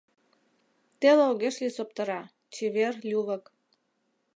Теле огеш лий соптыра, чевер-лювык: